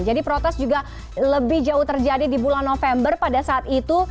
jadi protes juga lebih jauh terjadi di bulan november pada saat itu